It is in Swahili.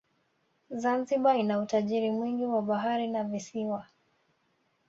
zanzibar ina utajiri mwingi wa bahari na visiwa